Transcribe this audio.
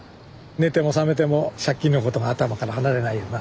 寝ても覚めても借金のことが頭から離れないような。